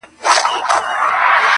• د کوترو له کهاله، په یوه شان یو -